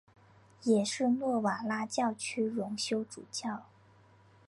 也是诺瓦拉教区荣休主教。